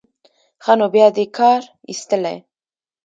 ښه نو بیا دې کار ایستلی.